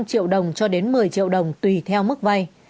năm triệu đồng cho đến một mươi triệu đồng tùy theo mức vay